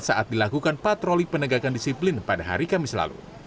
saat dilakukan patroli penegakan disiplin pada hari kamis lalu